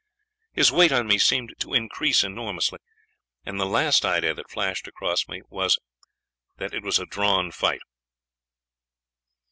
His weight on me seemed to increase enormously, and the last idea that flashed across me was that it was a drawn fight.